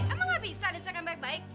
emang gak bisa disediakan baik baik